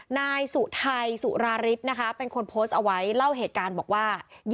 นายสุไทยสุราริสนะคะเป็นคนโพสต์เอาไว้เล่าเหตุการณ์บอกว่า